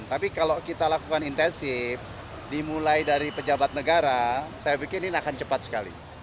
tapi kalau kita lakukan intensif dimulai dari pejabat negara saya pikir ini akan cepat sekali